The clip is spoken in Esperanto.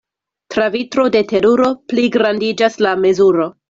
Tra vitro de teruro pligrandiĝas la mezuro.